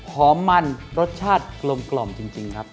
หอมมันรสชาติกลมจริงครับ